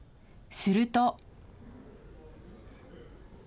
すると。